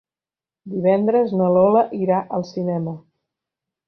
Divendres na Lola irà al cinema.